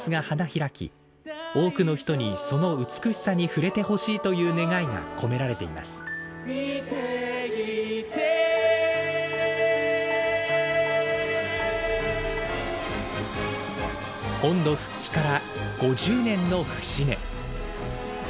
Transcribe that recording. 多くの人にその美しさに触れてほしいという願いが込められています本土復帰から５０年の節目。